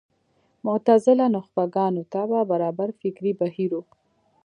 معتزله نخبه ګانو طبع برابر فکري بهیر و